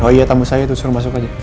oh iya tamu saya itu suruh masuk aja